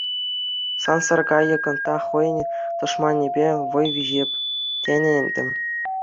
Сан саркайӑк та хӑйӗн тӑшманӗпе вӑй виҫеп, тенӗ ӗнтӗ.